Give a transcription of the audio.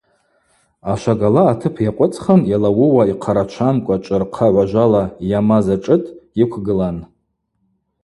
Ашвагала атып йакъвыцӏхын йалауыуа йхъарачвамкӏва чӏвырхъа гӏважвала йамаз ашӏытӏ йыквгылан.